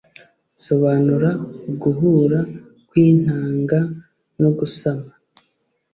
sobanura uguhura kw'intanga no gusama